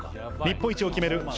日本一を決める